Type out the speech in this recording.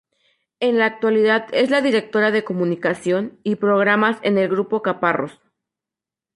En la actualidad es la directora de comunicación y programas en el Grupo Caparrós.